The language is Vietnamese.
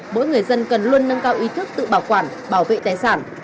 mỗi người dân cần luôn nâng cao ý thức tự bảo quản bảo vệ tài sản